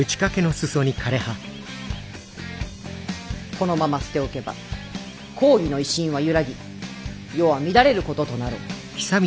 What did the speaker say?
このまま捨て置けば公儀の威信は揺らぎ世は乱れることとなろう。